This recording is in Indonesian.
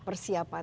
bebel bebel itu aja